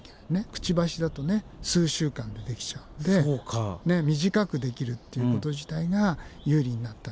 くちばしだと数週間でできちゃうんで短くできるっていうこと自体が有利になったんじゃないかと。